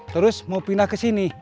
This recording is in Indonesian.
terus mau pindah ke sini